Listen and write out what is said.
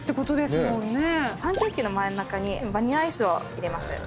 パンケーキの真ん中にバニラアイスを入れます。